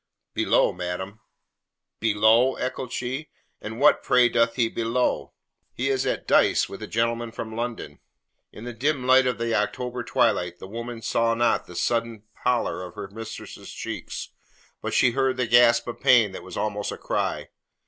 "Below, madam." "Below?" echoed she. "And what, pray, doth he below?" "He is at dice with a gentleman from London." In the dim light of the October twilight the woman saw not the sudden pallor of her mistress's cheeks, but she heard the gasp of pain that was almost a cry.